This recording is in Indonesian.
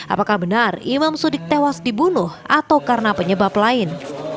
apakah benar imam sudik tewas dibunuh atau karena penyebab lain